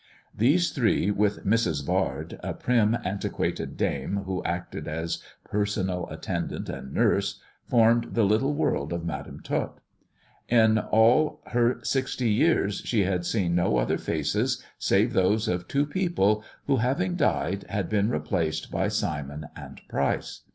These three with Mrs. Yard, a prim antiquated dame who acted as personal attendant and nurse, formed the little world of Madam Tot. In all her sixty years she had seen no other faces^ save those of two people who, having died, had been replaced by Simon and Pryce.